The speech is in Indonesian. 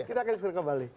kita akan segera kembali